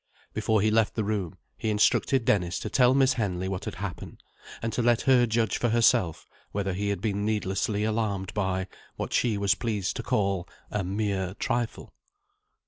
Before he left the room, he instructed Dennis to tell Miss Henley what had happened, and to let her judge for herself whether he had been needlessly alarmed by, what she was pleased to call, "a mere trifle."